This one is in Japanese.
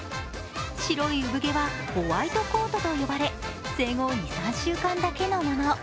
白い産毛はホワイトコートと呼ばれ生後２３週間だけのもの。